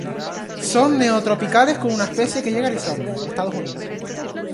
Son neotropicales con una especie que llega a Arizona, Estados Unidos.